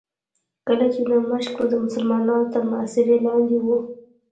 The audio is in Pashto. کله چې دمشق د مسلمانانو تر محاصرې لاندې و.